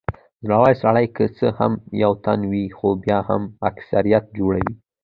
زړور سړی که څه هم یو تن وي خو بیا هم اکثريت جوړوي.